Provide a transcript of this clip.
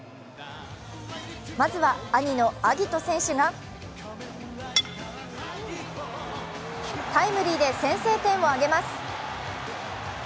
まずは、兄の晶音選手がタイムリーで先制点を挙げます。